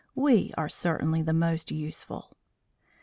We are certainly the most useful."